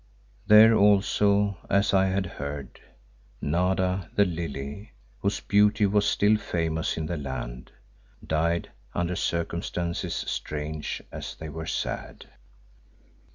There also, as I had heard, Nada the Lily, whose beauty was still famous in the land, died under circumstances strange as they were sad.